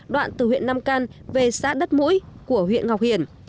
đoạn từ huyện nam căn về xã đất mũi của huyện ngọc hiển